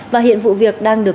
và hiện vụ việc đang được